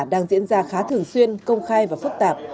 đang diễn ra khá thường xuyên công khai và phức tạp